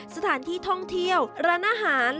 สถานที่ท่องเที่ยวร้านอาหาร